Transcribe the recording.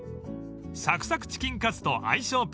［サクサクチキンカツと相性